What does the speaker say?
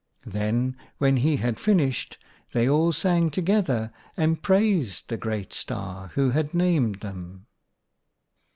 Then when he had finished, they all sang together and praised the Great Star, who had named them.